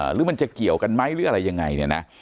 หรือมันจะเกี่ยวกันไหมหรืออะไรยังไงเนี่ยนะ